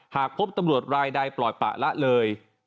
หากพบตำรวจรายใดปล่อยปะละเลย